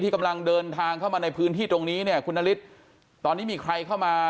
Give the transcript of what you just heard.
กำลังเดินทางเข้ามาในพื้นที่ตรงนี้เนี่ยคุณนฤทธิ์ตอนนี้มีใครเข้ามา